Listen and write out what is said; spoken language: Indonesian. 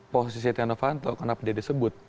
posisi stiano fanto karena apa dia disebut